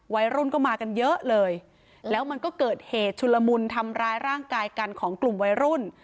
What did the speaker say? วัยรุ่นก็มากันเยอะเลยแล้วมันก็เกิดเหตุชุลมุนทำร้ายร่างกายกันของกลุ่มวัยรุ่น